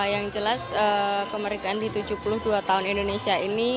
yang jelas kemerdekaan di tujuh puluh dua tahun indonesia ini